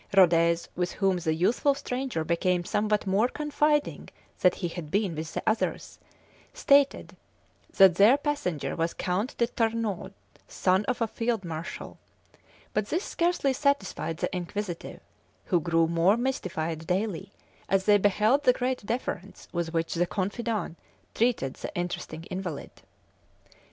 Rhodez, with whom the youthful stranger became somewhat more confiding than he had been with the others, stated that their passenger was Count de Tarnaud, son of a field marshal; but this scarcely satisfied the inquisitive, who grew more mystified daily as they beheld the great deference with which the confidant treated the interesting invalid.